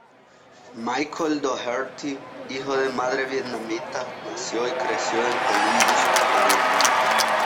Michael Dougherty, hijo de madre vietnamita, nació y creció en Columbus, Ohio.